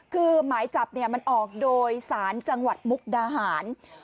คือหมายจับมันออกโดยสารจังหวัดมุกดาหาร